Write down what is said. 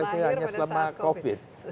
enam belas aplikasi baru selama covid